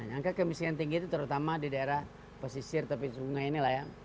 angka kemiskinan tinggi itu terutama di daerah pesisir tepi sungai ini